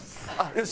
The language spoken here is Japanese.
よし！